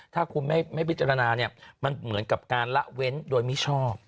ว่าเนี่ยมันเหมือนกับการละเว้นโดยไม่ชอบ